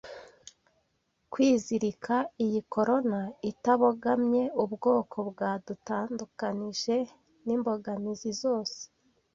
kwizirika iyi corona itabogamye ubwoko bwadutandukanije nimbogamizi zose